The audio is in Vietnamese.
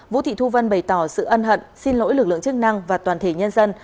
vũ thị thu vân bày tỏ sự ân hận xin lỗi lực lượng chức năng và toàn thể nhân dân